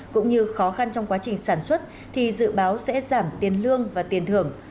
cũng như khó khăn trong quá trình sản xuất thì dự báo sẽ giảm tiền lương và tiền thưởng